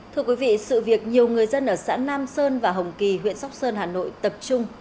thưa quý vị sự việc nhiều người dân ở xã nam sơn và hồng kỳ huyện sóc sơn hà nội tập trung